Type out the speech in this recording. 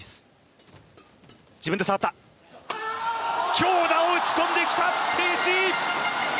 強打を打ち込んできた、鄭思緯。